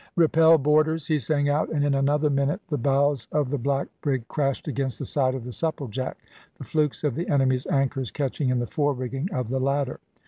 "Repel boarders!" he sang out, and in another minute the bows of the black brig crashed against the side of the Supplejack, the flukes of the enemy's anchors catching in the fore rigging of the latter.